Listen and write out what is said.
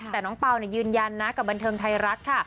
แต่น้องเปล่ายืนยันนะกับบันเทิงไทยรัฐค่ะ